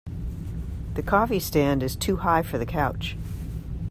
The coffee stand is too high for the couch.